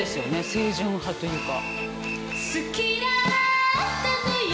清純派というか。